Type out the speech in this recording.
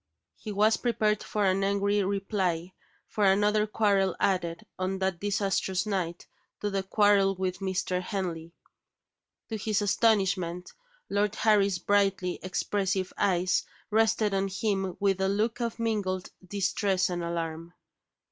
He was prepared for an angry reply for another quarrel added, on that disastrous night, to the quarrel with Mr. Henley. To his astonishment, Lord Harry's brightly expressive eyes rested on him with a look of mingled distress and alarm.